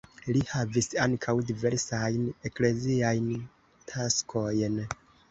Li havis ankaŭ diversajn ekleziajn taskojn.